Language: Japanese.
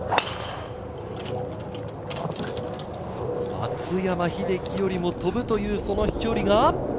松山英樹よりも飛ぶという飛距離が。